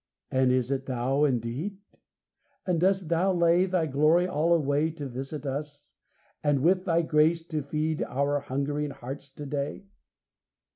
And is it Thou, indeed? And dost Thou lay Thy glory all away To visit us, and with Thy grace to feed Our hungering hearts to day?